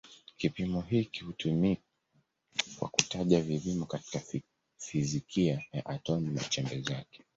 Kipimo hiki hutumiwa kwa kutaja vipimo katika fizikia ya atomi na chembe zake.